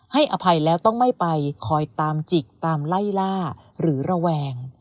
อภัยแล้วต้องไม่ไปคอยตามจิกตามไล่ล่าหรือระแวง